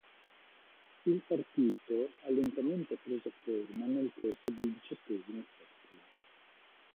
Il partito ha lentamente preso forma nel corso del diciottesimo secolo.